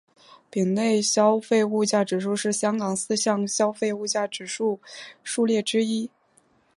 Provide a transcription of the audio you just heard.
丙类消费物价指数是香港四项消费物价指数数列之一。